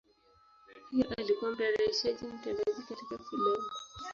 Pia alikuwa mtayarishaji mtendaji katika filamu.